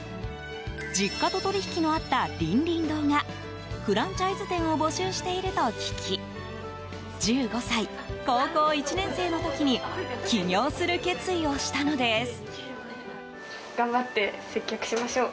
実家と取り引きのあった凛々堂がフランチャイズ店を募集していると聞き１５歳、高校１年生の時に起業する決意をしたのです。